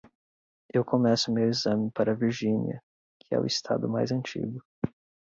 Eu começo meu exame para Virginia, que é o estado mais antigo.